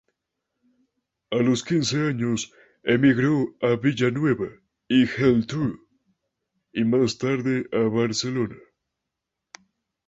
A los quince años emigró a Villanueva y Geltrú y más tarde a Barcelona.